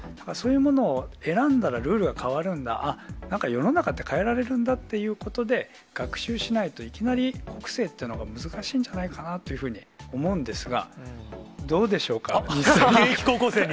だから、そういうものを選んだら、ルールが変わるんだ、あっ、なんか世の中って変えられるんだってことで、学習しないと、いきなり国政というのは難しいんじゃないかなと思うんですが、現役高校生に？